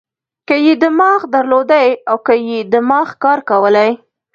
که یې دماغ درلودای او که یې دماغ کار کولای.